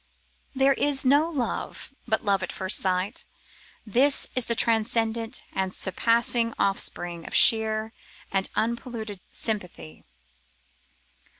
There is no love but love at first sight. This is the transcendent and surpassing offspring of sheer and unpolluted sympathy.